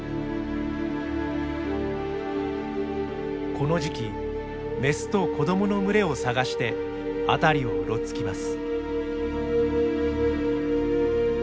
この時期メスと子どもの群れを探して辺りをうろつきます。